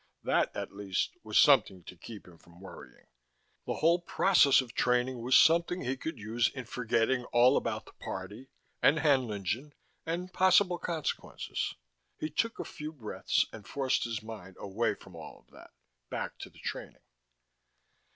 That, at least, was something to keep him from worrying: the whole process of training was something he could use in forgetting all about the party, and Haenlingen, and possible consequences.... He took a few breaths and forced his mind away from all of that, back to the training.